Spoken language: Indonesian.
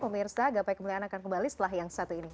pemirsa gapai kemuliaan akan kembali setelah yang satu ini